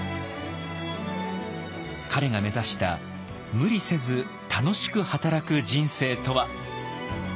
彼が目指した無理せず楽しく働く人生とは？